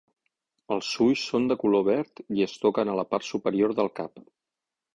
Els ulls són de color verd i es toquen a la part superior del cap.